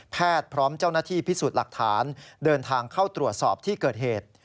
พร้อมเจ้าหน้าที่พิสูจน์หลักฐานเดินทางเข้าตรวจสอบที่เกิดเหตุ